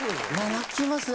泣きますね。